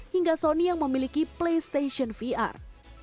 hingga sony yang memiliki playstation vr